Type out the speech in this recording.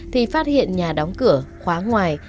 thì phát hiện nhà đóng cửa khóa ngoài